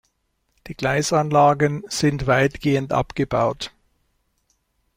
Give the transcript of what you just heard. Die Gleisanlagen sind weitgehend abgebaut.